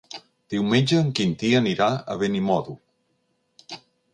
Diumenge en Quintí anirà a Benimodo.